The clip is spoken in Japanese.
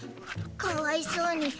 かわいそうに。